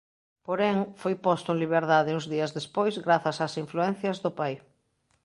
Porén, foi posto en liberdade uns días despois grazas ás influencias do pai.